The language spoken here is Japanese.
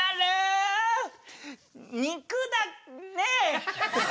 「肉」だねえ。